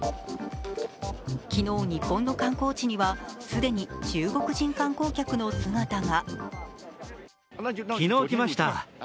昨日、日本の観光地には既に中国人観光客の姿が。